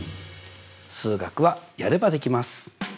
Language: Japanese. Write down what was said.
数学はやればできます。